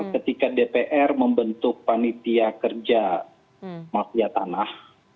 ketika dpr membentuk panitia kerja mafia tanah